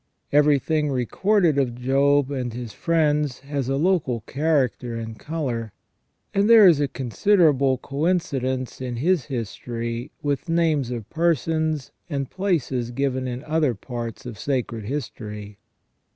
Everything recorded of Job and his friends has a local character and colour ; and there is a considerable coincidence in his history with names of persons and places given in other parts of sacred history.